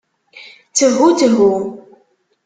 Ttehu, ttehu.